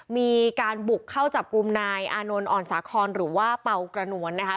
มีการบุกเข้าจับกลุ่มนายอานนท์อ่อนสาคอนหรือว่าเป่ากระนวลนะคะ